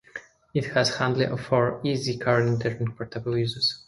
It has a handle for easy carrying during portable uses.